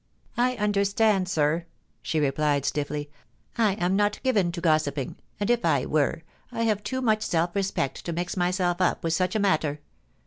* I understand, sir,' she replied stiffly. * I am not given to gossiping, and if I were, I have too much self respect to mix myself up with such a matter.